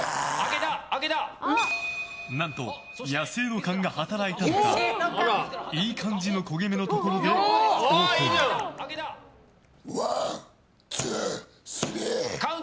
何と野性の勘が働いたのかいい感じの焦げ目のところでオープン。